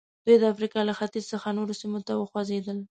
دوی د افریقا له ختیځ څخه نورو سیمو ته وخوځېدل.